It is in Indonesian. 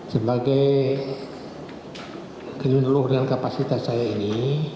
sebagai penyeluruh dengan kapasitas saya ini